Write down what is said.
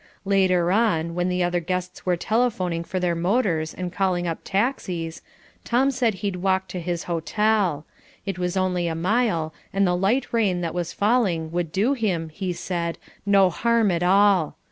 Later on, when the other guests were telephoning for their motors and calling up taxis, Tom said he'd walk to his hotel; it was only a mile and the light rain that was falling would do him, he said, no harm at all.